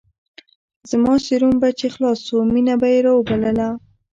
زما سيروم به چې خلاص سو مينه به يې راوبلله.